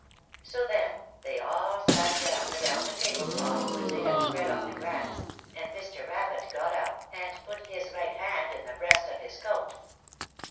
So then they all sat down around the table cloth which they had spread on the grass, and Mr. Rabbit got up and put his right hand in the breast of his coat.